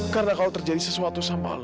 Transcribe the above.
karena kalau terjadi sesuatu sama lu